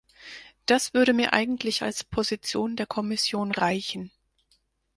Das würde mir eigentlich als Position der Kommission reichen.